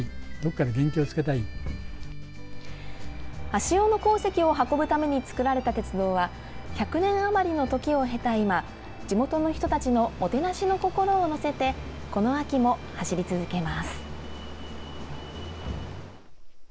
足尾の鉱石を運ぶために作られた鉄道は１００年あまりの時を経た今地元の人たちのもてなしの心を乗せてこの秋も走り続けます。